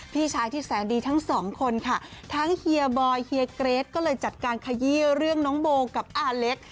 พี่ชายที่แสนดีทั้งสองคนค่ะทั้งเฮียบอยเฮียเกรทก็เลยจัดการขยี้เรื่องน้องโบกับอาเล็ก